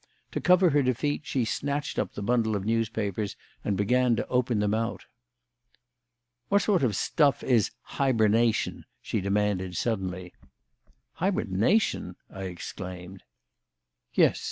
To cover her defeat she snatched up the bundle of newspapers and began to open them out. "What sort of stuff is 'hibernation'?" she demanded suddenly. "Hibernation!" I exclaimed. "Yes.